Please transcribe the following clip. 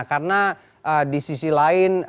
karena di sisi lain